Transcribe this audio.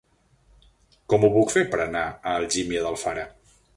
Com ho puc fer per anar a Algímia d'Alfara?